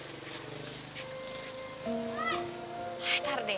eh tar deh